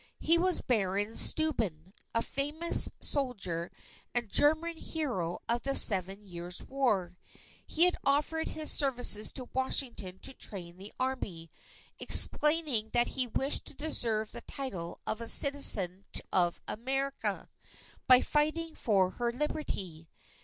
He was Baron Steuben, a famous soldier and German hero of the Seven Years' War. He had offered his services to Washington to train the Army, explaining that he wished to deserve the title of a citizen of America, by fighting for her Liberty.